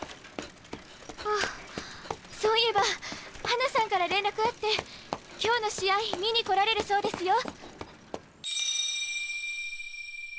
あっそういえば花さんから連絡あって今日の試合見に来られるそうですよ。